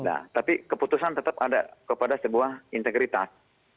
nah tapi keputusan tetap ada kepada sebuah integritas